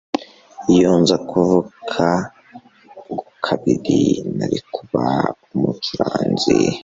Iyo nza kuvuka ubwa kabiri, nari kuba umucuranzi.